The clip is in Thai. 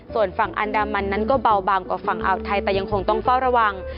ส่วนฝั่งอันดามันนั้นก็เบาบางกว่าฝั่งอ่าวไทยแต่ยังคงต้องเฝ้าระวัง